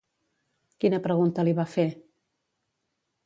Quina pregunta li va fer?